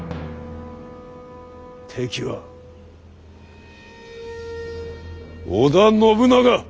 敵は織田信長！